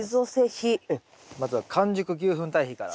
まずは完熟牛ふん堆肥から。